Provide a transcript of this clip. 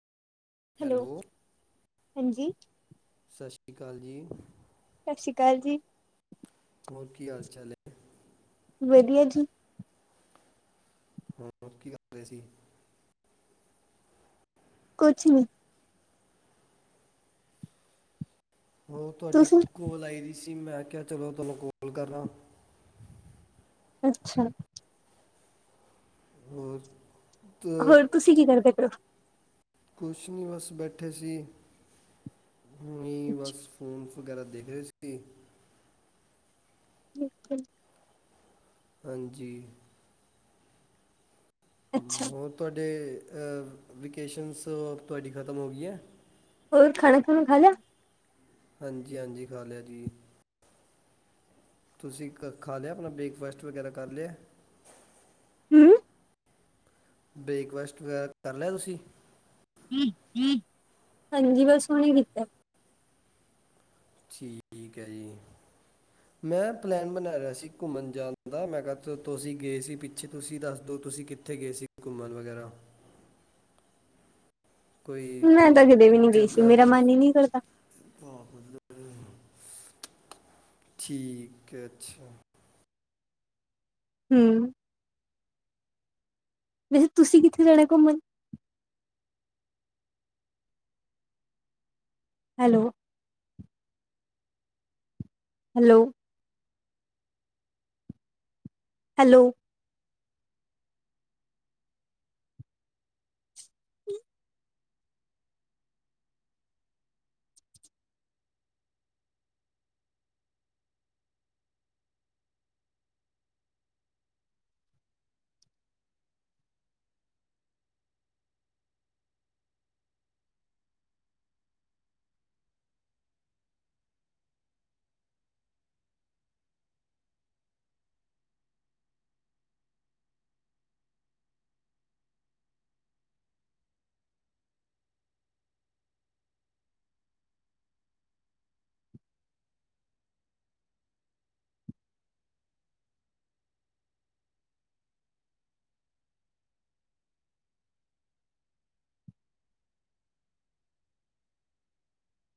Hello, ਹਾਂਜੀ। ਸਤ ਸ਼੍ਰੀ ਕਾਲ ਜੀ। ਸਤਿ ਸ਼੍ਰੀ ਅਕਾਲ ਜੀ। ਹੋਰ ਕੀ ਹਾਲ-ਚਾਲ ਐ? ਵਧੀਆ ਜੀ। ਹੋਰ, ਕੀ ਕਰ ਰਏ ਸੀ? ਕੁਛ ਨੀ। ਉਹ ਤੁਹਾਡੀ ਤੁਸੀਂ ਕੋਲ ਆਈ ਦੀ ਸੀ ਮੈਂ ਕਿਆ ਚਲੋ ਤੁਆਨੂੰ ਕੋਲ ਕਰ ਲਾ। ਅੱਛਾ। ਹੋਰ ਦ ਹੋਰ ਤੁਸੀਂ ਕੀ ਕਰਦੇ ਪਏ ਓ ਕੁਛ ਨੀ ਬਸ ਬੈਠੇ ਸੀ ਨੀ ਬਸ ਫੋਮਸ ਵਗੈਰਾ ਦੇਖ ਰਹੇ ਸੀ ਬਿਲਕੁਲ ਹਾਂਜੀ ਅੱਛਾ ਹੋਰ ਤੁਹਾਡੇ ਵੇਕੇਸ਼ਨਸ ਤੁਹਾਡੀ ਖਤਮ ਹੋ ਗਈਆਂ ਹੋਰ ਖਾਣਾ ਖੂਣਾ ਖਾ ਲਿਆ ਹਾਂਜੀ ਹਾਂਜੀ ਖਾ ਲਿਆ ਜੀ ਤੁਸੀਂ ਖਾ ਲਿਆ ਆਪਣਾ ਬ੍ਰੇਕਫਾਸਟ ਵਗੈਰਾ ਕਰ ਲਿਆ ਹਮ ਬ੍ਰੇਕਫਾਸਟ ਵਗੈਰਾ ਕਰ ਲਿਆ ਤੁਸੀਂ ਹਾਂਜੀ ਬਸ ਹੁਣੇ ਕੀਤਾ ਠੀਕ ਹੈ ਜੀ ਮੈਂ ਪਲੈਨ ਬਣਾ ਰਿਹਾ ਸੀ ਘੁੰਮਣ ਜਾਣ ਦਾ ਮੈਂ ਕਿਹਾ ਤੁਸੀਂ ਗਏ ਸੀ ਪਿੱਛੇ ਤੁਸੀਂ ਦੱਸ ਦਿਉ ਤੁਸੀਂ ਕਿੱਥੇ ਗਏ ਸੀ ਘੁੰਮਨ ਵਗੈਰਾ ਕੋਈ ਮੈਂ ਤਾਂ ਕਿਤੇ ਵੀ ਨੀ ਗਈ ਸੀ ਮੇਰਾ ਮਨ ਹੀ ਨੀ ਕਰਦਾ ਹਾ ਹੁਨ ਠੀਕ ਏ ਅੱਛਾ ਹਮ ਵੈਸੇ ਤੁਸੀਂ ਕਿੱਥੇ ਜਾਣਾ ਘੁੰਮਣ ਹੈਲੋ ਹੈਲੋ ਹੈਲੋ